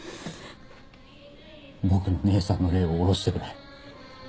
僕の姉さんの霊を降ろしてくれ。